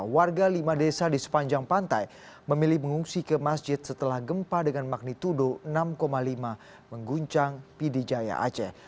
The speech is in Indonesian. warga lima desa di sepanjang pantai memilih mengungsi ke masjid setelah gempa dengan magnitudo enam lima mengguncang pidijaya aceh